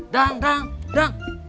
dang dang dang